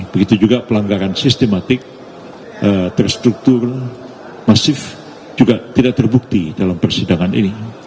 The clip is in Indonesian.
begitu juga pelanggaran sistematik terstruktur masif juga tidak terbukti dalam persidangan ini